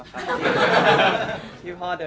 ประตูหรอ